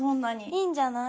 いいんじゃない？